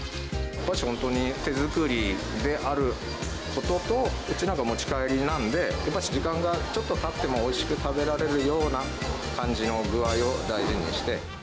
本当に手作りであることと、うちなんか持ち帰りなんで、時間がちょっとたってもおいしく食べられるような感じの具合を大事にして。